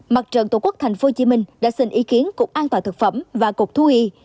mặt trận tổ quốc tp hcm đã xin ý kiến cục an toàn thực phẩm và cục thú y